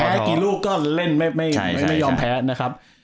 กี่ลูกก็เล่นไม่ยอมแพ้นะครับ